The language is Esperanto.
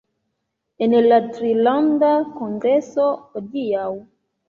En la Trilanda Kongreso hodiaŭ